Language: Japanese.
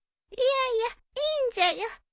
いやいやいいんじゃよ。